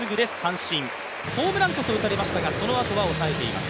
ホームランこそ打たれましたがそのあとは抑えています。